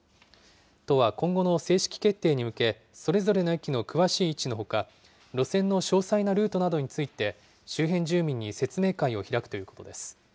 都は今後の正式決定に向け、それぞれの駅の詳しい位置のほか、路線の詳細なルートなどについて、周辺住民に説明会を開くということです。